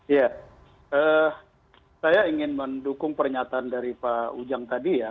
iya saya ingin mendukung pernyataan dari pak ujang tadi ya